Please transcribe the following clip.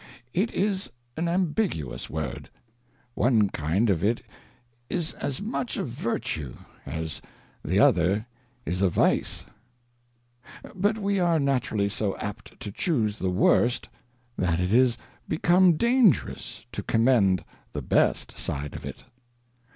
It is an ambiguous Word ; one kind of it is as much a Vertue, as the other is a Vice : But we are naturally so apt to chuse the worst, that it is become dangerous to commend the best side of it.